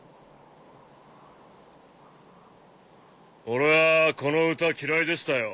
俺はこの歌嫌いでしたよ。